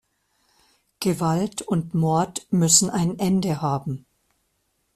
Gewalt und Mord müssen ein Ende haben.